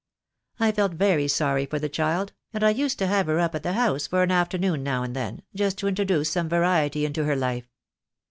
I felt very sorry for the child, and I used to have her up at the house for an afternoon now and then, just to introduce some variety into her life.